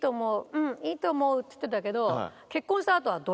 うんいいと思う」って言ってたけど。